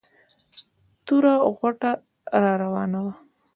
توره غوټه را راوانه وه.